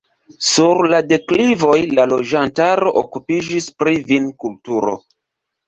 Sur la deklivoj la loĝantaro okupiĝis pri vinkulturo.